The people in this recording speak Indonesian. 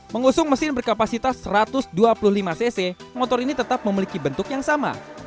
mengusung mesin berkapasitas satu ratus dua puluh lima cc motor ini tetap memiliki bentuk yang sama